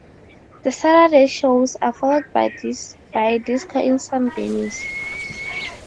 The Saturday shows are followed by a disco in some venues.